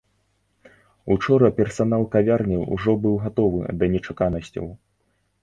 Учора персанал кавярні ўжо быў гатовы да нечаканасцяў.